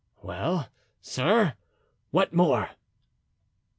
"Well, sir? What more?"